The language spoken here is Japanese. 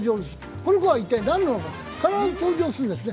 この子は一体何なのか、必ず登場するんですね。